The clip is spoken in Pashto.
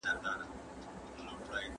زه پلان نه جوړوم؟!